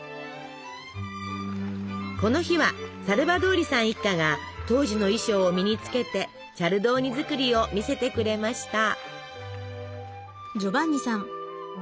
この日はサルヴァドーリさん一家が当時の衣装を身につけてチャルドーニ作りを見せてくれました。